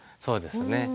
そうですね。